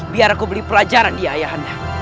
biar aku beli pelajaran dia ayah anda